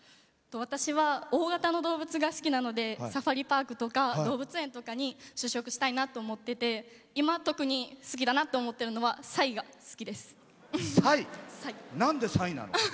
私は大型の動物が好きなのでサファリパークとか動物園とかに就職したいなと思ってて今、特に好きだなって思ってるのはなんでサイなの？